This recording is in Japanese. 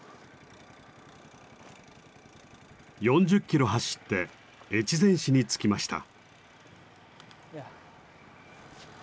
４０キロ走って越前市に着きました。